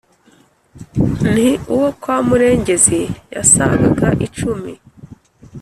Nti: "Uwo kwa Murengezi yasagaga icumi,